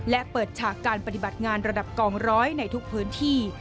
และเปิดฉากการปฏิบัติงานระดับกองร้อยในทุกพื้นที่